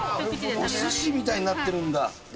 おすしみたいになってるんだ。